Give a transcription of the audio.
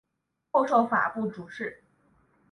后授法部主事。